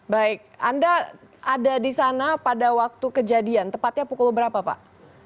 baik anda ada di sana pada waktu kejadian tepatnya pukul berapa pak